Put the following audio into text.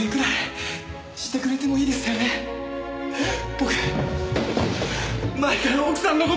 僕前から奥さんの事。